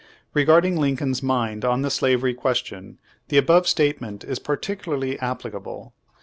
Re garding Lincoln's mind on the slavery question the above statement is particularly applicable.